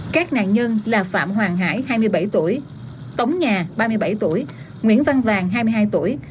các nạn nhân là phạm hoàng hải hai mươi bảy tuổi tống nhà ba mươi bảy tuổi nguyễn văn vàng hai mươi hai tuổi